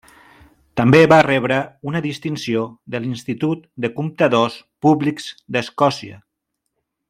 També va rebre una distinció de l'Institut de Comptadors Públics d'Escòcia.